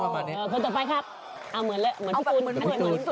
เอาเหมือนพี่กู้น